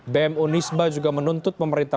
bm unisba juga menuntut pemerintah